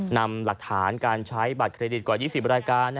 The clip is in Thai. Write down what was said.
นำหลักฐานการใช้บัตรเครดิตกว่า๒๐รายการ